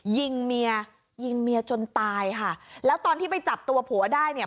ยิงเมียยิงเมียจนตายค่ะแล้วตอนที่ไปจับตัวผัวได้เนี่ย